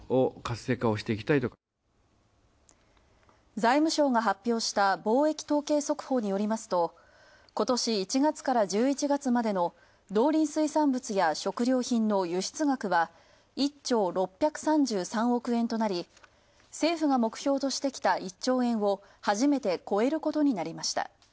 財務省が発表した貿易統計速報によりますとことし１月から１１月までの、農林水産物や食料品の輸出額は１兆６３３億円となり、政府が目標としてきた１兆円を初めて超えることになりました。